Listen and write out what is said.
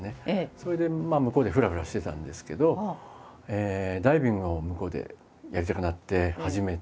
それで向こうでふらふらしてたんですけどダイビングを向こうでやりたくなって始めて。